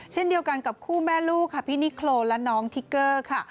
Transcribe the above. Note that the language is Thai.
เช่นเดียวกันกับคู่แม่ลูกค่ะพี่นิโครและน้องทิกเกอร์ค่ะ